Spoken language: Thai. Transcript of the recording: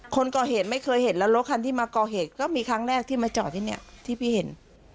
คนก่อเหตุไม่เคยเห็นแล้วรถคันที่มาก่อเหตุก็มีครั้งแรกที่มาจอดที่เนี่ยที่พี่เห็น